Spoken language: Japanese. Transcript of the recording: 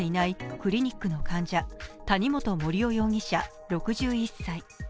クリニックの患者谷本盛雄容疑者６１歳。